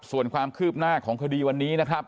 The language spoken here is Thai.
ส่วนความคืบหน้าของคดีวันนี้นะครับ